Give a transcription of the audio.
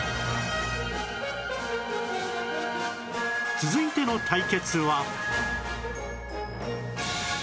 続いての対決は